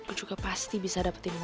dan suatu saat lo pasti bisa dapetin raya